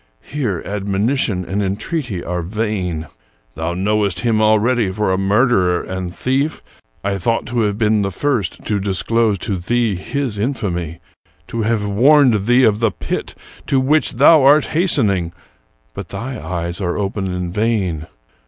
Here admonition and en treaty are vain. Thou knowest him already for a murderer and thief. I thought to have been the first to disclose to thee his infamy; to have warned thee of the pit to which thou art hastening; but thy eyes are open in vain.